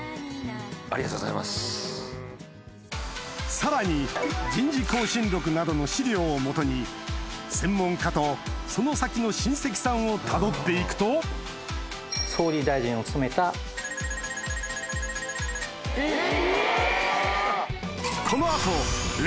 さらに『人事興信録』などの資料をもとに専門家とその先の親戚さんをたどっていくとえっ！